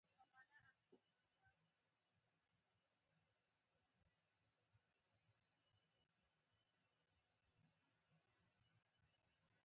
په زاریو کې به یې ورته ویل مورې اختر مه راغموه.